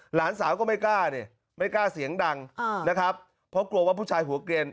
หลานสาวก็ไม่กล้าเนี่ยไม่กล้าเสียงดังนะครับเพราะกลัวว่าผู้ชายหัวเกลียน